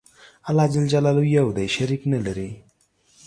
الله ج یو دی. شریک نلري.